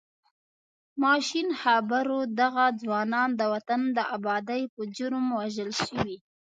ماشین خبر و دغه ځوانان د وطن د ابادۍ په جرم وژل شوي.